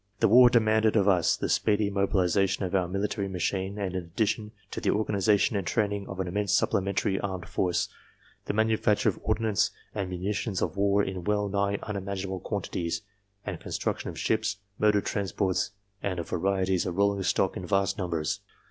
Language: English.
The war demanded of us the speedy mobilization of our military machine and in addition the or ganization and training of an immense supplementary armed force, the manufacture of ordnance and munitions of war in well nigh unimaginable quantities, the construction of ships, motor transports, and of varieties of rolling stock in vast num bers.